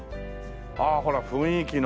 ああほら雰囲気の。